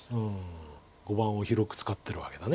碁盤を広く使ってるわけだ。